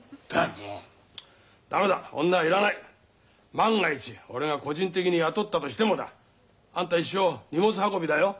万が一俺が個人的に雇ったとしてもだあんた一生荷物運びだよ。